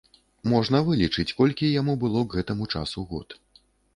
Можна вылічыць, колькі яму было к гэтаму часу год.